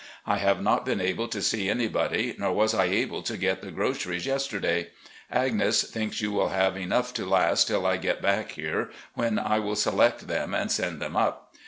I have not been able to see anybody, nor was I able to get the groceries yesterday. Agnes thinks you will have enough to last till I get back here, when I will select them and send them up.